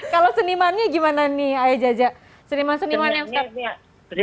kalau senimannya gimana nih ayah jajah